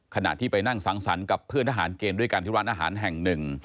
ขณะที่ไปนั่งสังสรรค์กับเพื่อนทหารเกณฑ์ด้วยกันที่ร้านอาหารแห่งหนึ่ง